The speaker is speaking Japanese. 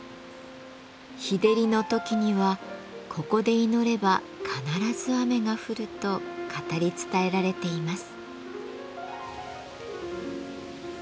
日照りの時には「ここで祈れば必ず雨が降る」と語り伝えられています。